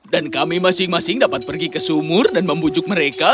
dan kami masing masing dapat pergi ke sumur dan membujuk mereka